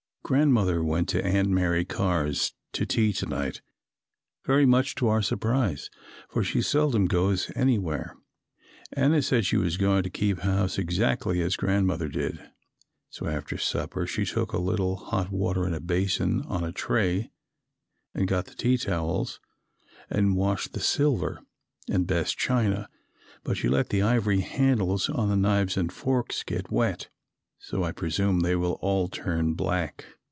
_ Grandmother went to Aunt Mary Carr's to tea to night, very much to our surprise, for she seldom goes anywhere. Anna said she was going to keep house exactly as Grandmother did, so after supper she took a little hot water in a basin on a tray and got the tea towels and washed the silver and best china but she let the ivory handles on the knives and forks get wet, so I presume they will all turn black.